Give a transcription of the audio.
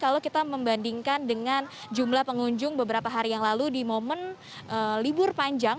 kalau kita membandingkan dengan jumlah pengunjung beberapa hari yang lalu di momen libur panjang